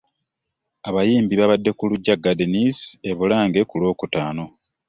Abayimbi baabadde ku Lugya Gardens e Bulenga ku Lwokutaano.